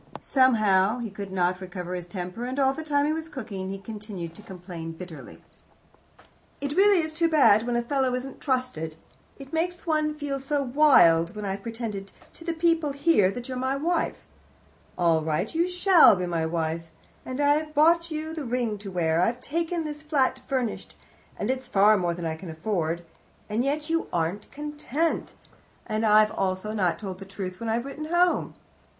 Somehow he could not recover his temper, and all the time he was cooking he continued to complain bitterly. "It really is too bad when a fellow isn't trusted. It makes one feel so wild, when I've pretended to the people here that you're my wife all right, you shall be my wife and I've bought you the ring to wear, and I've taken this flat furnished, and it's far more than I can afford, and yet you aren't content, and I've also not told the truth when I've written home."